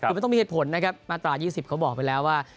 คือมันต้องมีเหตุผลนะครับมาตรา๒๐เขาบอกไปแล้วว่า